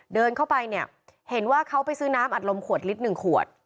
เดินเข้าไปเนี่ยเห็นว่าเขาไปซื้อน้ำอัดลมขวดลิตรหนึ่งขวด